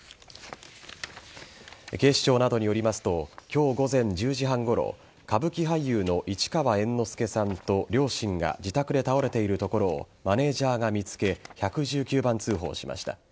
警視庁などによりますと今日午前１０時半ごろ歌舞伎俳優の市川猿之助さんと両親が自宅で倒れているところをマネージャーが見つけ１１９番通報しました。